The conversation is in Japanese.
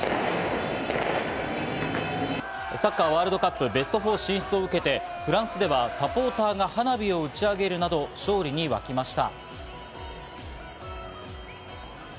サッカーワールドカップベスト４進出を受けて、フランスではサポーターが花火を打ち上げるなど勝利に沸きました。